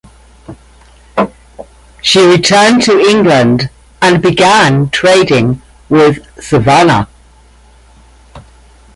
She returned to England and began trading with Savannah.